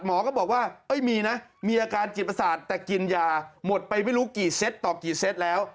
หมอก็บอกว่ามีนะมีอาการจิตประสาทแต่กินยาหมดไปไม่รู้กี่เซตต่อกี่เซ็ตแล้ว